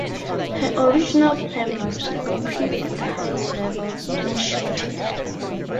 Her original plan was to compete at the highest level in Shooting.